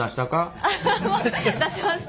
出しました。